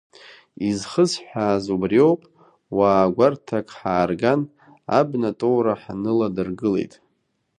Изхысҳәааз убриоуп, уаа гәарҭак ҳаарган, абна тоура ҳныладыргылеит.